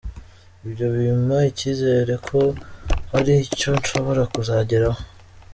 Ibyo bimpa icyizere ko hari icyo nshobora kuzageraho.